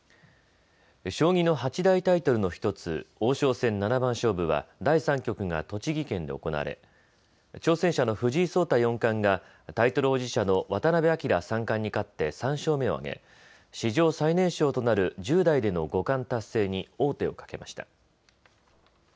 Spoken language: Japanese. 将棋の八大タイトルの１つ、王将戦七番勝負は第３局が栃木県で行われ挑戦者の藤井聡太四冠がタイトル保持者の渡辺明三冠に勝って３勝目を挙げ史上最年少となる１０代での五冠達成に王手をかけました。